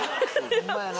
ホンマやな。